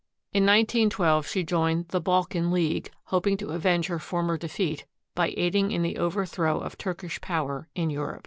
In 191 2, she joined the Balkan League, hoping to avenge her former defeat by aiding in the overthrow of Turkish power in Europe.